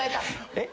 えっ？